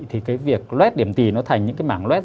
thì cái việc lết điểm tì nó thành những cái mảng lết